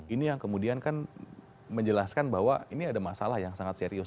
ini yang kemudian kan menjelaskan bahwa ini ada masalah yang sangat serius